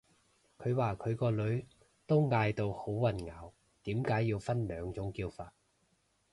佢話佢個女都嗌到好混淆，點解要分兩種叫法